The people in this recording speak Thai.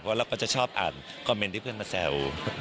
เราก็จะชอบอ่านคอมเมนต์ที่เพื่อนมาแซว